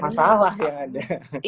masalah ya ada